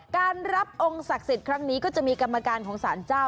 การรับองค์ศักดิ์สิทธิ์ครั้งนี้ก็จะมีกรรมการของสารเจ้า